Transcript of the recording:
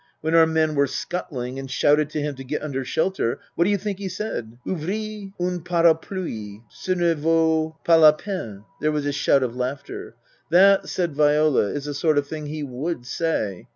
When our men were scuttling, and shouted to him to get under shelter, what do you think he said ?' Ouvrir une para phiie $a ne vaut pas la peine." There was a shout of laughter. " That," said Viola, " is the sort of thing he would say.